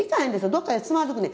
どこかでつまずくねん。